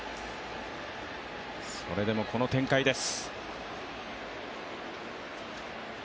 それでもこの展開です。